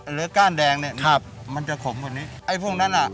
ก้านแดงเนี่ยครับมันจะขมกว่านี้ไอ้พวกนั้นอ่ะ